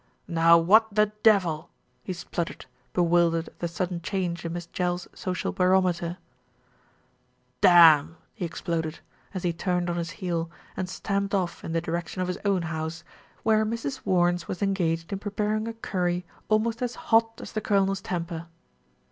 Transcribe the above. "Now what the devil !" he spluttered, bewildered at the sudden change in Miss Jell's social barometer. "Damn!" he exploded, as he turned on his heel and 232 THE RETURN OF ALFRED stamped off in the direction of his own house, where Mrs. Warnes was engaged in preparing a curry almost as hot as the Colonel's temper.